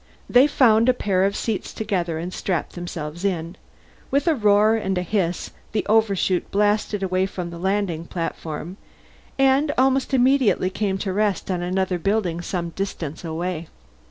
They found a pair of seats together and strapped themselves in. With a roar and a hiss the Overshoot blasted away from the landing platform, and almost immediately came to rest on another building some distance away.